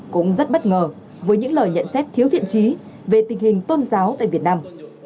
cũng rất bất ngờ với những lời nhận xét thiếu thiện trí về tình hình tôn giáo tại việt nam